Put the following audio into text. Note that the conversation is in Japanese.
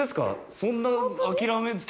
そんな。